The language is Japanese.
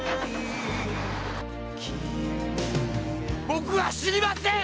「僕は死にません！」